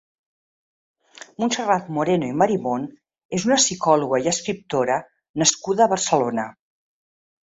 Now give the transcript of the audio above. Montserrat Moreno i Marimón és una psicòloga i escriptora nascuda a Barcelona.